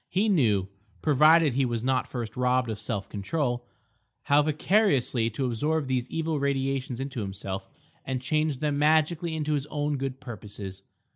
He knew—provided he was not first robbed of self control—how vicariously to absorb these evil radiations into himself and change them magically into his own good purposes.